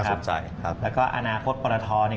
สุขใจครับแล้วก็อนาคตปรทเนี่ย